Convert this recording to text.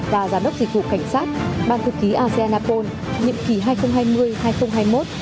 và giám đốc dịch vụ cảnh sát ban thư ký asean apol nhiệm kỳ hai nghìn hai mươi hai nghìn hai mươi một